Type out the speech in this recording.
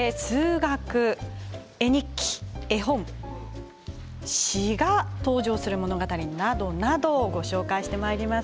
パンダの本に辞典数学、絵日記、絵本詩が登場する物語などなどご紹介してまいります。